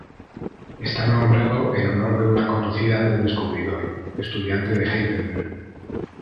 Está nombrado en honor de una conocida del descubridor, estudiante de Heidelberg.